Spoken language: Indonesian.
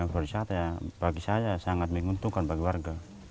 perusahaan yang bagi saya sangat menguntungkan bagi warga